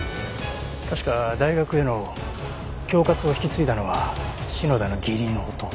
確か大学への恐喝を引き継いだのは篠田の義理の弟。